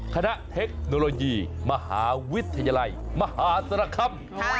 เทคโนโลยีมหาวิทยาลัยมหาศาลคำ